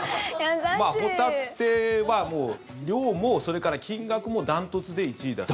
ホタテは量もそれから金額も断トツで１位です。